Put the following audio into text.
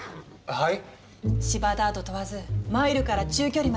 はい？